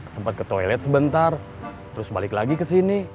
sempat ke toilet sebentar terus balik lagi ke sini